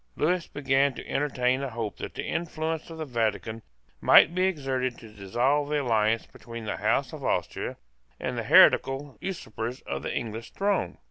Lewis began to entertain a hope that the influence of the Vatican might be exerted to dissolve the alliance between the House of Austria and the heretical usurper of the English throne.